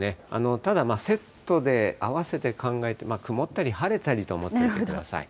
ただ、セットで、あわせて考えて、曇ったり晴れたりと思ってください。